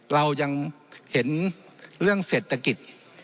เรายังเห็นเรื่องเศรษฐกิจ